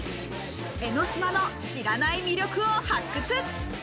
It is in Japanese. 江の島の知らない魅力を発掘。